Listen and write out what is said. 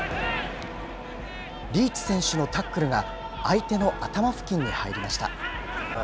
リーチ選手のタックルが、相手の頭付近に入りました。